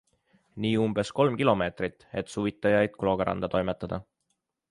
Nii umbes kolm kilomeetrit, et suvitajaid Kloogaranda toimetada.